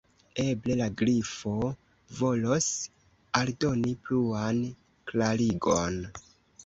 Eble la Grifo volos aldoni pluan klarigon."